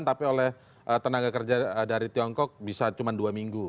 tapi oleh tenaga kerja dari tiongkok bisa cuma dua minggu